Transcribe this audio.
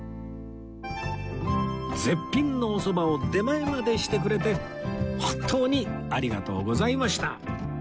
絶品のおそばを出前までしてくれて本当にありがとうございました